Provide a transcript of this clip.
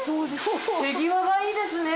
手際がいいですね。